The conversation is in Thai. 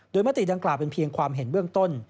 มติดังกล่าวเป็นเพียงความเห็นเบื้องต้น